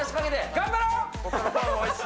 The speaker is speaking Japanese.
頑張ろう！